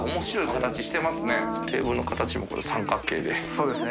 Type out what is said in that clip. そうですね